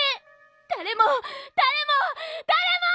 誰も誰も誰も！